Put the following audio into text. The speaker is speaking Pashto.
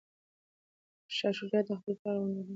شاه شجاع د خپل پلار غوندې نه و.